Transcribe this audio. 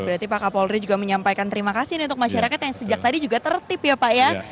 berarti pak kapolri juga menyampaikan terima kasih untuk masyarakat yang sejak tadi juga tertip ya pak ya